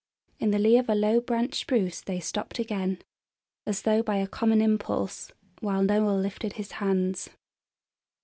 In the lee of a low branched spruce they stopped again, as though by a common impulse, while Noel lifted his hands.